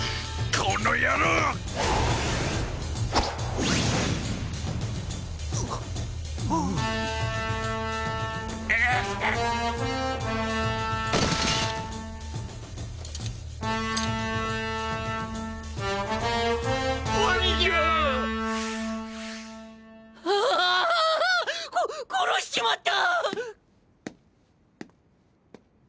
こ殺しちまった！